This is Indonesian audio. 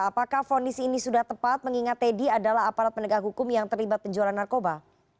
apakah fonis ini sudah tepat mengingat teddy adalah aparat penegak hukum yang terlibat penjualan narkoba